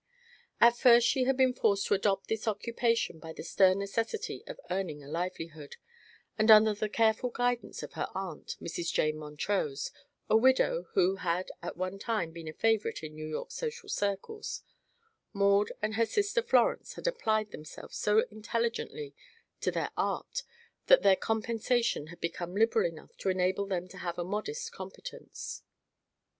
At first she had been forced to adopt this occupation by the stern necessity of earning a livelihood, and under the careful guidance of her aunt Mrs. Jane Montrose, a widow who had at one time been a favorite in New York social circles Maud and her sister Florence had applied themselves so intelligently to their art that their compensation had become liberal enough to enable them to save a modest competence.